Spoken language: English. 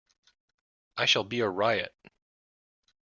I shall be a riot.